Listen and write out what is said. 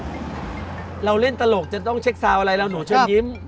เรื่องนี้เราเล่นตลกจะต้องเช็ททีมอะไรนะหนูเหมือนยิ้ม